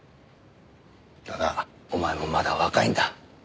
ただお前もまだ若いんだ。